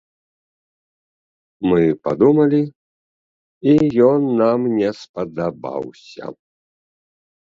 Мы падумалі, і ён нам не спадабаўся.